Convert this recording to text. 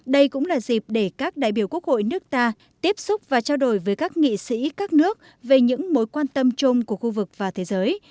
đây cũng là dịp để các đại biểu quốc hội nước ta tiếp xúc và trao đổi với các nghị sĩ các nước về những mối quan tâm chung của khu vực và thế giới